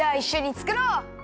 つくろう！